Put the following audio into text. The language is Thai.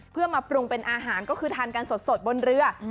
เพื่อมาปรุงเป็นอาหารก็คือทานกันสดบนเรือ